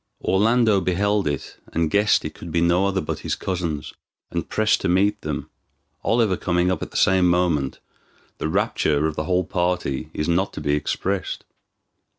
Orlando beheld it, and guessed it could be no other but his cousins, and pressed to meet them. Oliver coming up at the same moment, the rapture of the whole party is not to be expressed.